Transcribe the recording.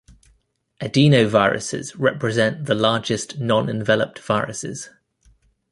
Adenoviruses represent the largest nonenveloped viruses.